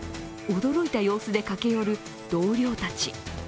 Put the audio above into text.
驚いた様子で駆け寄る同僚たち。